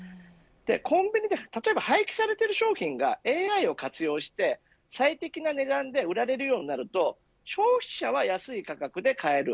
コンビニで、例えば廃棄されてしまう商品がＡＩを活用して最適な値段で売られるようになると消費者は安い価格で買える。